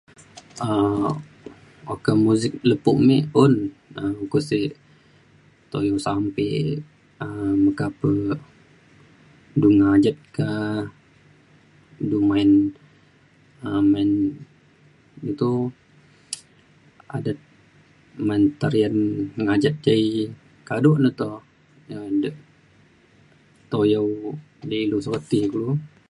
um okak muzik lepo me un um uko sek tuyau sampe um meka pe du ngajet ka du main um main iu to adet men tarian ji kado le to. ja je tuyau di ilu sukat ti kulu